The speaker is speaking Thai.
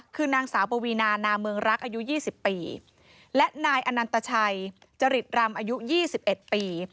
คือนางสาวปวีนานามเมืองรักอายุยี่สิบปีและนายอนันตชัยจริตรำอายุยี่สิบเอ็ดปี